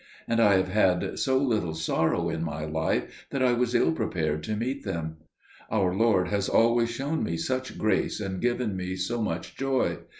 And I have had so little sorrow in my life that I was ill prepared to meet them. Our Lord has always shown me such grace and given me so much joy.